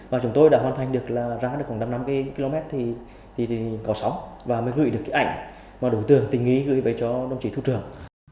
và chúng tôi đã hoàn thành được là ra được khoảng năm năm km thì có sóng và mới gửi được cái ảnh mà đối tượng tình ý gửi về cho đồng chí thủ trưởng